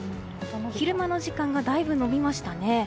昼間の時間がだいぶ延びましたね。